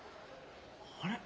あれ？